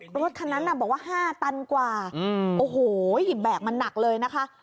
ปลากายไฟระบเลย